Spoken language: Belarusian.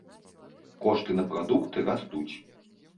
Кошты на прадукты растуць.